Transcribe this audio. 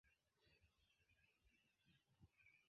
Ĝi estas en la sudo de la departemento Indre-et-Loire.